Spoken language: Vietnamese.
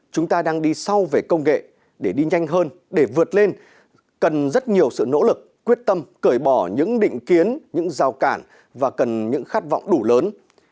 cho nên cần rất nhiều sự nỗ lực quyết tâm cởi bỏ những định kiến những giao cản và cần những khát vọng đủ lớn